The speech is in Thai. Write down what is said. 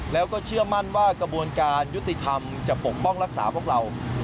แล้วก็เชื่อมั่นว่ากระบวนการยุติธรรมจะปกป้องรักษาพวกเรา